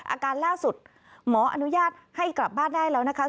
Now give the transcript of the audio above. อาการล่าสุดหมออนุญาตให้กลับบ้านได้แล้วนะคะ